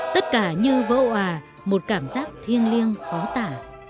tất cả như vỡ hòa một cảm giác thiêng liêng khó tả